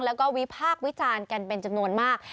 แล้วก็วิพากษ์วิจารณ์กันเป็นจำนวนมาก